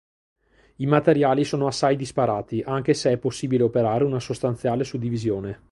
I materiali sono assai disparati anche se è possibile operare una sostanziale suddivisione.